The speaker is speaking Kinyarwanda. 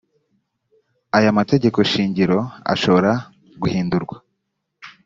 aya mategeko shingiro ashobora guhindurwa .